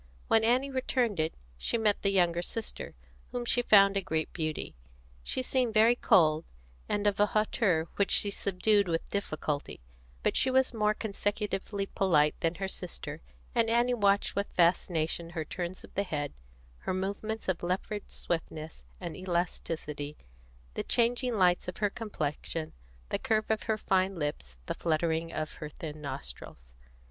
When Annie returned it, she met the younger sister, whom she found a great beauty. She seemed very cold, and of a hauteur which she subdued with difficulty; but she was more consecutively polite than her sister, and Annie watched with fascination her turns of the head, her movements of leopard swiftness and elasticity, the changing lights of her complexion, the curves of her fine lips, the fluttering of her thin nostrils.